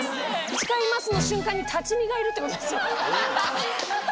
誓いますの瞬間に立ち見がいるってことですよ。